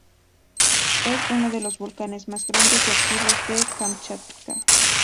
Es uno de los volcanes más grandes y activos de Kamchatka.